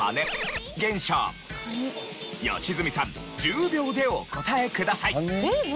良純さん１０秒でお答えください。